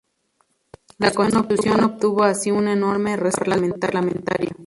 La Constitución obtuvo así un enorme respaldo parlamentario.